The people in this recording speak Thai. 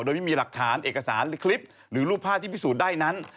โดยไม่มีหลักฐานเอกสารคลิปหรือรูปภาพที่พิสูจน์ได้นั้น